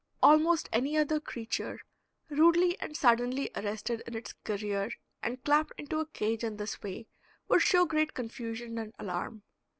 Almost any other creature rudely and suddenly arrested in its career and clapped into a cage in this way would show great confusion and alarm.